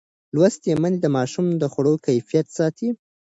لوستې میندې د ماشوم د خوړو کیفیت ساتي.